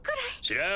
知らん。